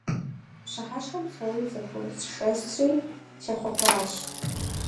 Пщыхьэщхьэм псори зэхуэсшэсри сехъуэхъуащ.